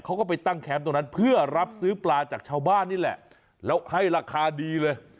เขาก็ไปตั้งแคมป์ตรงนั้นเพื่อรับซื้อปลาจากชาวบ้านนี่แหละแล้วให้ราคาดีเลย